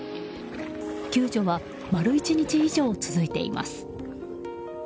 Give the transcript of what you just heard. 救助は丸１日以上続いています。